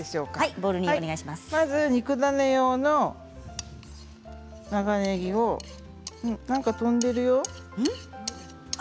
まずは肉ダネ用の長ねぎを何か飛んでいるよ。